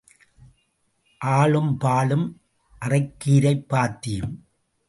ஆழும் பாழும் அறைக்கீரைப் பாத்தியும்.